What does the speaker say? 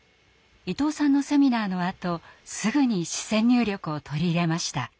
伊藤さんのセミナーのあとすぐに視線入力を取り入れました。